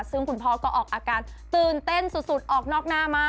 ซึ่งคุณพ่อก็ออกอาการตื่นเต้นสุดออกนอกหน้ามา